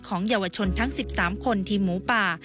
เยาวชนทั้ง๑๓คนทีมหมูป่า